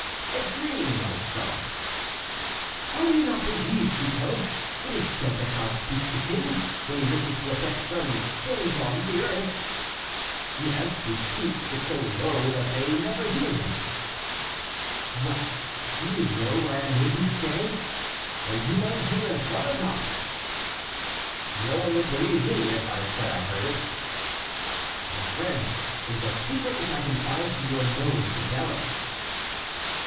"A dream, my son." "Why do you not believe, Chicot? It is said that God speaks to kings, when He wishes to effect some change on the earth." "Yes, he speaks, but so low that they never hear Him." "Well, do you know why I made you stay? that you might hear as well as I." "No one would believe me if I said I heard it." "My friend, it is a secret which I confide to your known fidelity."